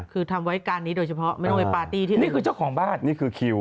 คือทำไว้การนี้โดยเฉพาะไม่ต้องไปปาร์ตี้ที่อื่น